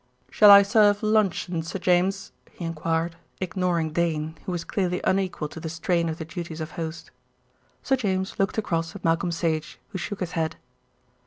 "Shall I serve luncheon, Sir James?" he enquired, ignoring Dane, who was clearly unequal to the strain of the duties of host. Sir James looked across at Malcolm Sage, who shook his head.